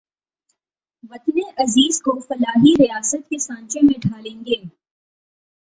وطن عزیز کو فلاحی ریاست کے سانچے میں ڈھالیں گے